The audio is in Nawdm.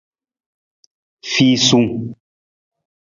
Fiisung.